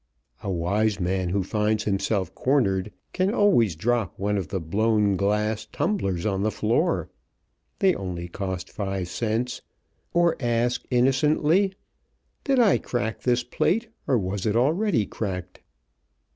A wise man who finds himself cornered can always drop one of the blown glass tumblers on the floor they only cost five cents or ask, innocently: "Did I crack this plate, or was it already cracked?"